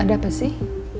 ada apa sih